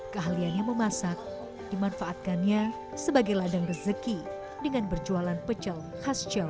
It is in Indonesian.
keahliannya memasak dimanfaatkannya sebagai ladang rezeki dengan berjualan pecel khas jawa